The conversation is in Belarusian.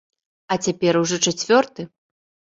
А цяпер ужо чацвёрты.